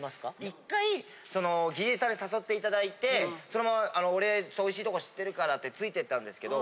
１回その技術さんに誘っていただいてそのままあの「俺おいしいとこ知ってるから」ってついて行ったんですけど。